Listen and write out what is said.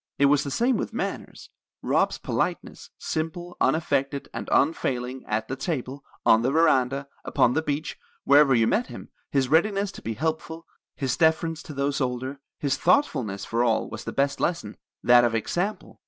"It was the same with manners. Rob's politeness, simple, unaffected, and unfailing, at the table, on the veranda, upon the beach, wherever you met him; his readiness to be helpful; his deference to those older; his thoughtfulness for all, was the best lesson, that of example.